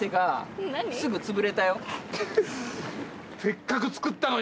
せっかく作ったのに？